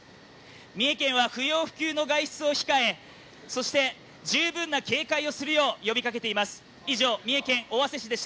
三重県は不要不急の外出を控え、そして十分な警戒をするよう呼びかけています。